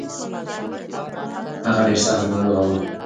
هغه ډير سځت ناروغه دی.